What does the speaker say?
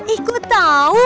eh gua tau